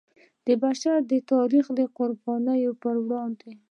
د بشر د تاریخ د قربانیو پر وړاندې.